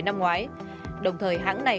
năm ngoái đồng thời hãng này